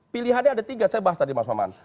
pilihannya ada tiga saya bahas tadi mas maman